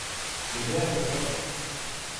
Le verbe être.